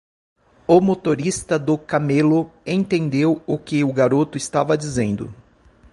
O motorista do camelo entendeu o que o garoto estava dizendo.